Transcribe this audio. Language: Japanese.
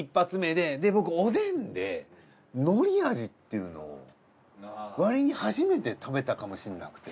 で僕おでんでのり味っていうのをわりに初めて食べたかもしれなくて。